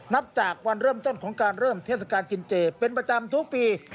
นับจากวันเริ่มต้นของการเริ่มเทศกาลกินเจเป็นประจำทุกปี